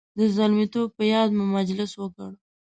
د زلمیتوب په یاد مو مجلس وکړ.